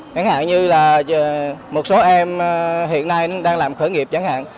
chẳng hạn như là một số em hiện nay đang làm khởi nghiệp chẳng hạn